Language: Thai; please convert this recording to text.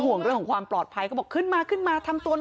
ห่วงเรื่องของความปลอดภัยก็บอกขึ้นมาขึ้นมาทำตัว